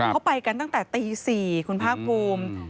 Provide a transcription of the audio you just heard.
เขาไปกันตั้งแต่ตี๔คุณภาคภูมิ